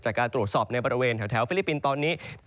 จากการตรวจสอบในบริเวณแถวฟิลิปปินส์ตอนนี้